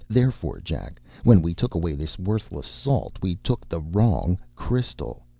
Therefore, Jack, when we took away this worthless salt, we took the wrong crystal.